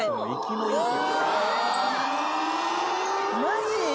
マジ！？